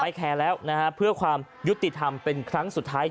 ไชน์ผู้ชมพยาบาลเพื่อความยุติธรรมเป็นครั้งสุดท้าย